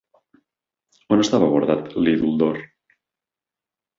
On estava guardat l'ídol d'or?